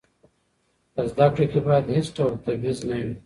په زده کړه کې باید هېڅ ډول تبعیض نه وي.